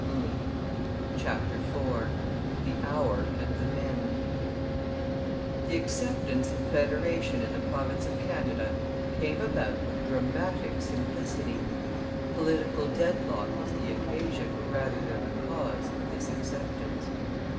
CHAPTER IV THE HOUR AND THE MEN The acceptance of federation in the province of Canada came about with dramatic simplicity. Political deadlock was the occasion, rather than the cause, of this acceptance.